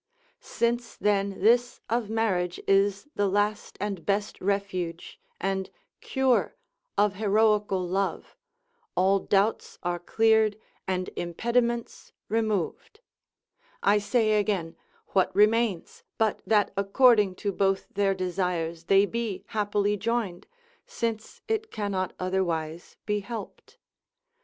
Since then this of marriage is the last and best refuge, and cure of heroical love, all doubts are cleared, and impediments removed; I say again, what remains, but that according to both their desires, they be happily joined, since it cannot otherwise be helped?